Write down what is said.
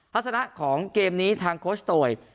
ลักษณะของเกมนี้ทางโคชโตย